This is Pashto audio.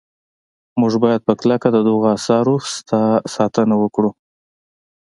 موږ باید په کلکه د دغو اثارو ساتنه وکړو.